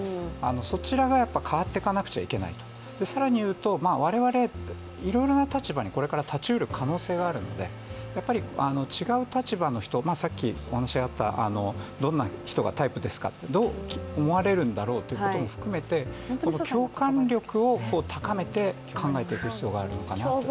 そちらがやっぱり変わっていかなきゃいけない更に言うと、我々、これから立ちうる可能性があるので、違う立場の人、どんな人がタイプですか、どう思われるんだろうということも含めて共感力を高めて考えていく必要があるのかなと思います。